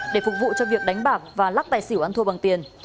để phục vụ cho việc đánh bạc và lắc tài xỉu ăn thua bằng tiền